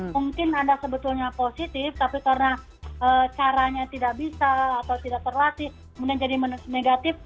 mungkin anda sebetulnya positif tapi karena caranya tidak bisa atau tidak terlatih kemudian jadi negatif